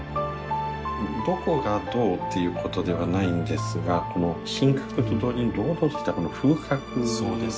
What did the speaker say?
どこがどうっていうことではないんですがこの品格と同時に堂々としたこの風格ですよねはい。